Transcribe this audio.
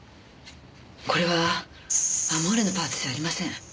これは『アモーレ』のパーツじゃありません。